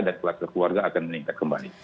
dan kelas keluarga akan meningkat kembali